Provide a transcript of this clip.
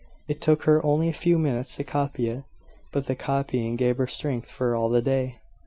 It took her only a few minutes to copy it; but the copying gave her strength for all the day.